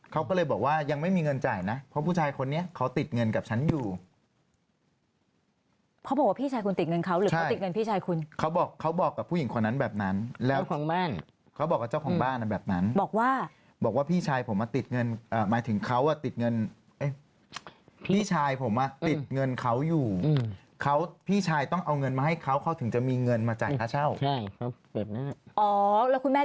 เขาบอกว่าพี่ชายคุณติดเงินเขาใช่หรือเขาติดเงินพี่ชายคุณเขาบอกเขาบอกกับผู้หญิงคนนั้นแบบนั้นแล้วเจ้าของบ้านเขาบอกกับเจ้าของบ้านแบบนั้นบอกว่าบอกว่าพี่ชายผมอ่ะติดเงินอ่าหมายถึงเขาอ่ะติดเงินพี่ชายผมอ่ะติดเงินเขาอยู่อืมเขาพี่ชายต้องเอาเงินมาให้เขาเขาถึงจะมีเง